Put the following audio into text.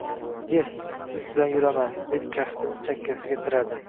— Yest, siz bilan yuraman! — deb kaftini chakkasiga tiradi.